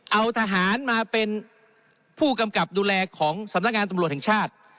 เอาทหารมาเป็นผู้กำกับดูแลของสำนักงานตำรวจแห่งชาติ